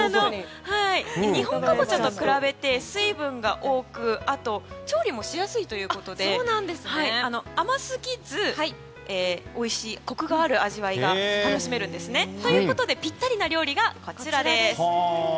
二ホンカボチャと比べて水分が多く調理もしやすいということで甘すぎず、おいしいコクがある味わいが楽しめるんですね。ということでぴったりな料理がこちら。